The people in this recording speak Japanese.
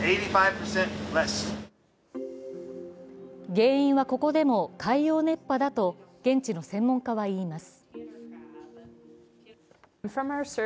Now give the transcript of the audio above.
原因は、ここでも海洋熱波だと現地の専門家は言います。